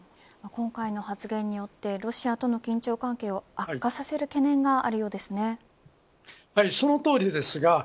今回の発言によってロシアとの緊張関係を悪化させる懸念があるようですね。